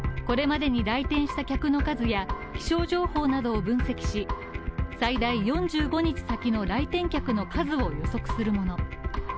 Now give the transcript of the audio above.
これまでに来店した客の数や気象情報などを分析し最大４５日先の来店客の数を予測するもの。